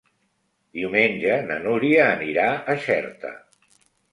Diumenge na Núria anirà a Xerta.